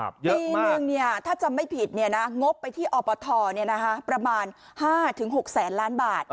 ปีนึงถ้าจำไม่ผิดงบไปที่อปทประมาณ๕๖แสนล้านบาท